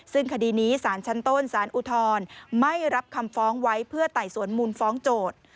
ซึ่งคดีนี้สารชั้นต้นสารอุทธรณ์ไม่รับคำฟ้องไว้เพื่อไต่สวนมูลฟ้องโจทย์